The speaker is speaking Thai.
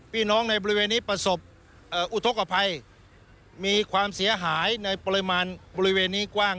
ในบริเวณนี้ประสบอุทธกภัยมีความเสียหายในปริมาณบริเวณนี้กว้าง